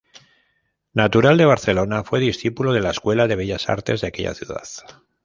Natural de Barcelona, fue discípulo de la Escuela de Bellas Artes de aquella ciudad.